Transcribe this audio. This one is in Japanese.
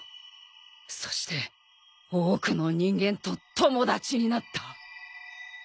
そして多くの人間と友達になった。